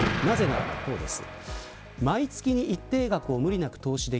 なぜならばこうです。